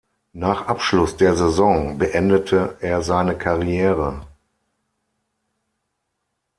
Nach Abschluss der Saison beendete er seine Karriere.